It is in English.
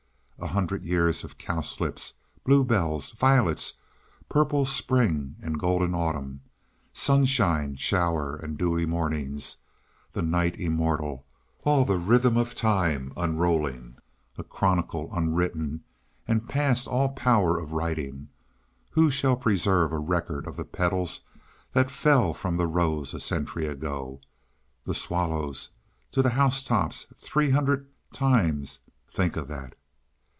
"A hundred years of cowslips, bluebells, violets; purple spring and golden autumn; sunshine, shower, and dewy mornings; the night immortal; all the rhythm of time unrolling. A chronicle unwritten and past all power of writing; who shall preserve a record of the petals that fell from the roses a century ago? The swallows to the house tops three hundred—times think of that!